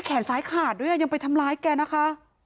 แขนซ้ายขาดด้วยยังไปทำร้ายแกนะคะ